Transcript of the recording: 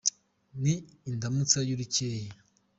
Ni indamutsa y’urukeye